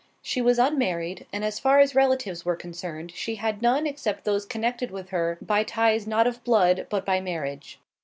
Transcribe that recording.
She was unmarried, and as far as relatives were concerned, she had none except those connected with her by ties not of blood, but by marriage.